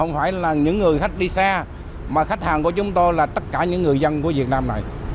không phải là những người khách đi xe mà khách hàng của chúng tôi là tất cả những người dân của việt nam này